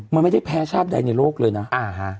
มันไม่ได้แพ้ชาติใดในโลกเลยนะอ่าฮะ